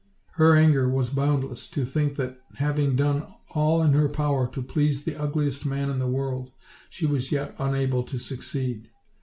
Her anger was boundless to think that, having done all in her power to please the ugliest man in the world, she was yet unable to succeed.